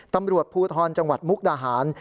ตำรวจภูทรจังหวัดมุกดาหาร